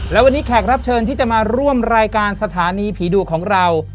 และวันนี้แขกรับเชิญที่จะมาร่วมรายการสถานีผีดุของเรา